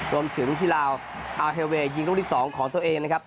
รวมถึงที่ลาวอาร์เฮลเวย์ยิงรุ่งที่๒ของตัวเองนะครับ